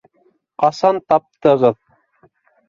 -Ҡасан таптығыҙ?